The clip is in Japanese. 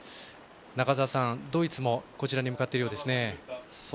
中澤さん、ドイツもこちらに向かっているようです。